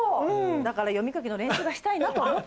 だから読み書きの練習がしたいなと思って。